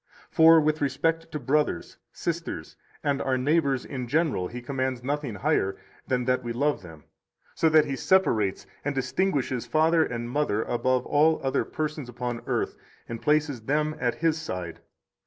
For with respect to brothers, sisters, and our neighbors in general He commands nothing higher than that we love them, so that He separates and distinguishes father and mother above all other persons upon earth, and places them at His side.